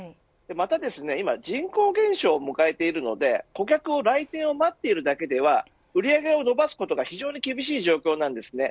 また人口の減少を迎えているので顧客の来店を待っているだけでは売り上げを伸ばすことが非常に厳しい状況です。